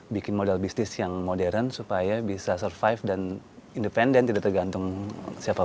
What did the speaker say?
bikin model bisnis yang modern supaya bisa survive dan independen tidak tergantung siapapun